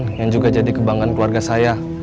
yang juga jadi kebanggaan keluarga saya